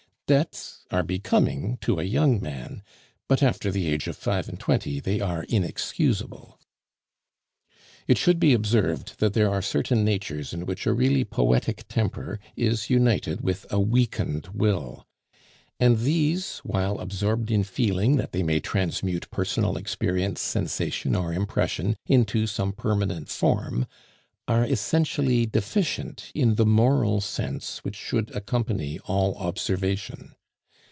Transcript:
Debts are becoming to a young man, but after the age of five and twenty they are inexcusable. It should be observed that there are certain natures in which a really poetic temper is united with a weakened will; and these while absorbed in feeling, that they may transmute personal experience, sensation, or impression into some permanent form are essentially deficient in the moral sense which should accompany all observation.